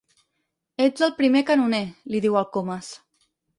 Ets el primer canoner —li diu el Comas—.